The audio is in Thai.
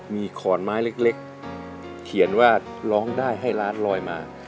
มีขอนไม้เล็กเขียนว่าร้องได้ให้ล้านลอยมา